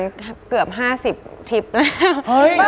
ก็ไปคือประมาณ๕๐ทิพย์แล้ว